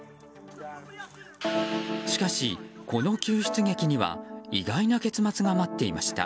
しかし、この救出劇には意外な結末が待っていました。